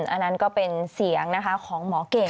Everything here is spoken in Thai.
อันนั้นก็เป็นเสียงนะคะของหมอเกด